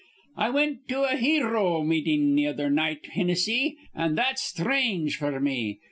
"I wint to a hero meetin' th' other night, Hinnissy, an' that's sthrange f'r me.